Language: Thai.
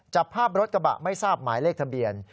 จับภาพรถกระบะไม่ทราบหมายเลขทะเบียน